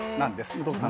武藤さん